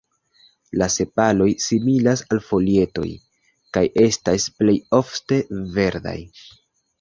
La sepaloj similas al folietoj, kaj estas plejofte verdaj.